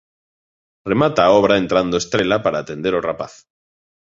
Remata a obra entrando Estrela para atender o rapaz.